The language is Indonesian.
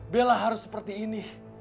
bella harus seperti ini